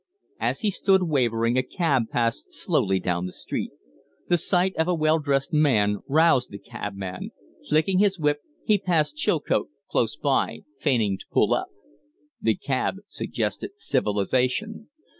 As he stood wavering a cab passed slowly down the street. The sight of a well dressed man roused the cabman; flicking his whip, he passed Chilcote close, feigning to pull up. The cab suggested civilization.